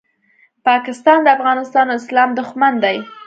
پاکستان د افغانستان او اسلام دوښمن دی